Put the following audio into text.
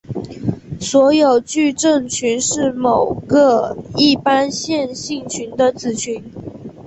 所有矩阵群是某个一般线性群的子群。